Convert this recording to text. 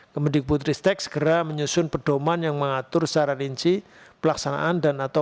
kemudian putri stek segera menyusun perdoman yang mengatur saran inci pelaksanaan dan atau